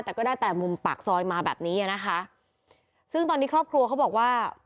แต่ก็ได้แต่มุมปากซอยมาแบบนี้อ่ะนะคะซึ่งตอนนี้ครอบครัวเขาบอกว่า